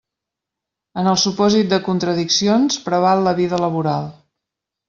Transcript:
En el supòsit de contradiccions preval la vida laboral.